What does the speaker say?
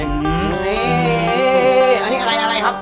นี่อันนี้อะไรอะไรครับ